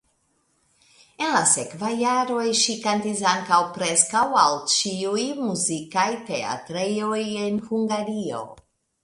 En la sekvaj jaroj ŝi kantis ankaŭ preskaŭ al ĉiuj muzikaj teatrejoj en Hungario.